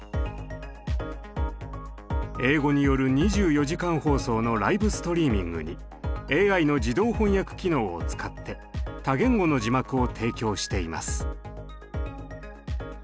英語による２４時間放送のライブストリーミングにＡＩの自動翻訳機能を使って多言語の字幕を提供しています。